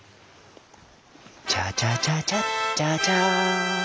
チャチャチャチャッチャチャン！